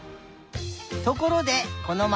ところでこのまえ